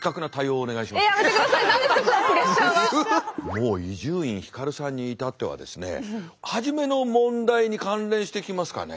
もう伊集院光さんに至ってはですね初めの問題に関連してきますかね。